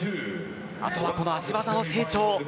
あとは足技の成長。